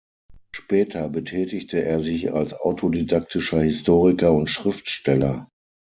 Später betätigte er sich als autodidaktischer Historiker und Schriftsteller.